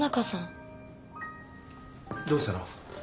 どうしたの？